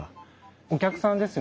お客さんですよね？